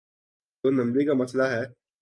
دو نمبری کا مسئلہ ہے۔